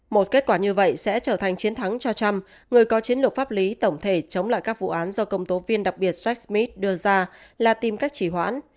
một kết quả như vậy sẽ trở thành chiến thắng cho trump người có chiến lược pháp lý tổng thể chống lại các vụ án do công tố viên đặc biệt jack smith đưa ra là tìm cách chỉ hoãn